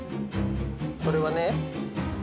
それはね。